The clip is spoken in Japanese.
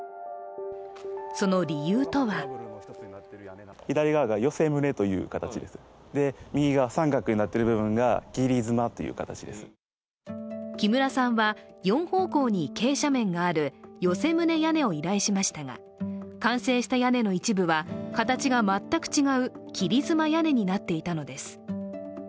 その理由とは木村さんは４方向に傾斜面がある寄棟屋根を依頼しましたが完成した屋根の一部は形が全く違う切妻屋根になっていたのです。